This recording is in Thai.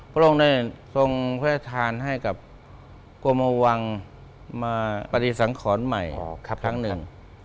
พระองค์ได้ทรงพระราชทานให้กับกรมวังมาปฏิสังขรใหม่ครั้งหนึ่ง